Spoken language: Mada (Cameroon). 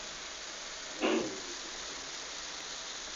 Ama membilge ma zal dava.